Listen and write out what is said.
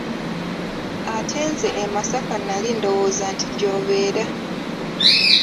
Ate nze e masaka nali ndowooza nti gy'obeera.